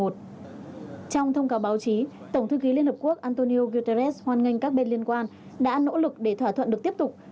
trong thông cáo báo chí tổng thư ký liên hợp quốc antonio guterres hoan nghênh các bên liên quan đã nỗ lực để thỏa thuận được tiếp tục